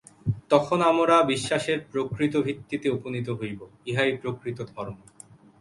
তখন আমরা বিশ্বাসের প্রকৃত ভিত্তিতে উপনীত হইব, ইহাই প্রকৃত ধর্ম।